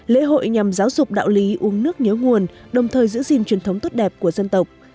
lễ hội nhằm giáo dục đạo lý uống nước nhớ nguồn đồng thời giữ gìn truyền thống tốt đẹp của dân tộc